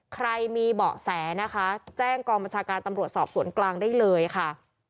ใครมีเบาะแสนะคะแจ้งกองบัญชาการตำรวจสอบสวนกลางได้เลยค่ะ